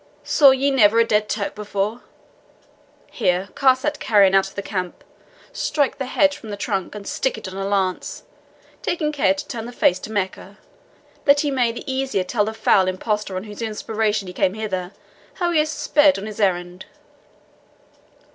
saw ye never a dead Turk before? Here, cast that carrion out of the camp, strike the head from the trunk, and stick it on a lance, taking care to turn the face to Mecca, that he may the easier tell the foul impostor on whose inspiration he came hither how he has sped on his errand.